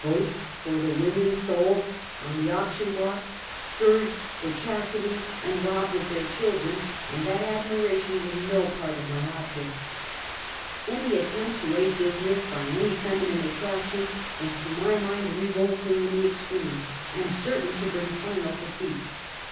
Yotes for the women sold on the PiTTSBUEG Saturday Yisitee. Ill auction block, scourged for cliastity, robbed of their children, and that admiration was no part of my ob ject. Any attempt to aid business by any feminine at traction was to my mind revolting in the extreme, and certain to bring final defeat.